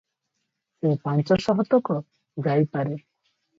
ସେ ପାଞ୍ଚଶହ ତକ ଯାଇ ପାରେ ।"